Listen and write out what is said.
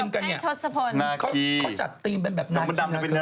เมื่องีเขาเป็นคำแก้วนะน่ะ